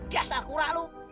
dasar kurak lu